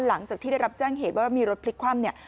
หลังจากที่ได้รับแจ้งเหตุว่ามีรถพลิกคว่ำเนี่ย